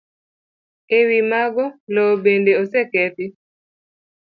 E wi mago, lowo bende osekethi.